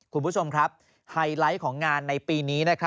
คุณผู้ชมครับไฮไลท์ของงานในปีนี้